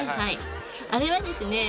あれはですね